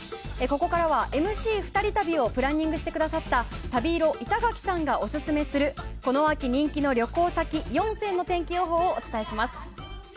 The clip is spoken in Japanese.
ここからはＭＣ２人旅をプランニングしてくださった旅色、板垣さんがオススメするこの秋人気の旅行先４選！の天気予報をお伝えしていきます。